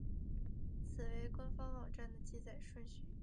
此为官方网站的记载顺序。